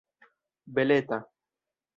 beleta